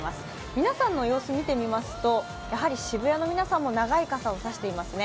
皆さんの様子を見てみますと渋谷の皆さんも長い傘を差していますね。